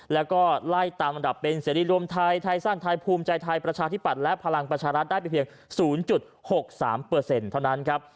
แล้วก็ไล่ตามอันดับเป็นเสรีรวมไทยไทยสร้างไทยภูมิใจไทยประชาธิปัตย์และพลังประชารัฐได้ไปเพียง๐๖๓เท่านั้นครับ